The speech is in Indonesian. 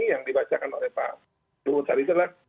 yang dibacakan oleh pak luhut tadi itu adalah